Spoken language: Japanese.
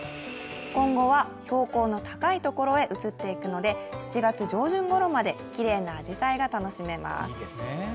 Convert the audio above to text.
今後は、標高の高いところへ移っていくので、７月上旬ごろまできれいなあじさいが楽しめます。